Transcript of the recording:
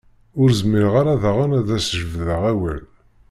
Ur zmireɣ ara daɣen ad as-d-jebdeɣ awal.